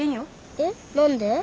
えっ何で？